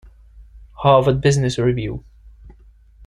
Harvard Business Review.